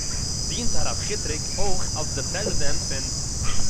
דינט הרב חיטריק אויך אַלס דער פּרעזידענט פון